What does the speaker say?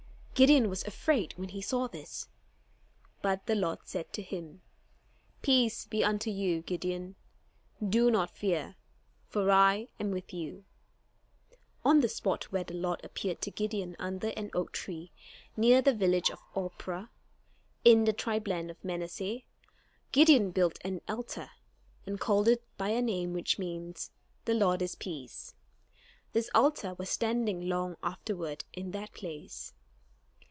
Gideon was afraid when he saw this; but the Lord said to him: "Peace be unto you, Gideon, do not fear, for I am with you." On the spot where the Lord appeared to Gideon, under an oak tree, near the village of Ophrah, in the tribe land of Manasseh, Gideon built an altar and called it by a name which means: "The Lord is peace." This altar was standing long afterward in that place.